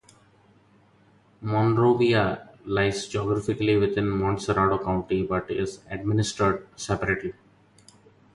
Monrovia lies geographically within Montserrado County, but is administered separately.